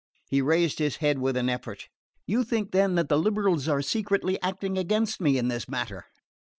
He raised his head with an effort. "You think, then, that the liberals are secretly acting against me in this matter?"